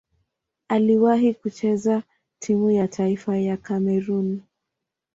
Aliwahi kucheza timu ya taifa ya Kamerun.